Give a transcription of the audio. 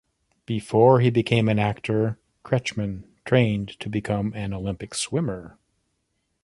Before he became an actor, Kretschmann trained to become an Olympic swimmer.